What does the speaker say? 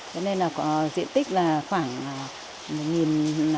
thế nên là có diện tích là khoảng một ba trăm linh m hai